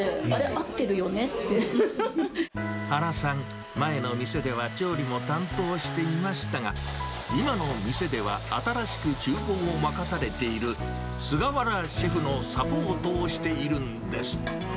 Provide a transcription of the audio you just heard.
合っ原さん、前の店では調理も担当していましたが、今の店では新しくちゅう房を任されているすがわらシェフのサポートをしているんです。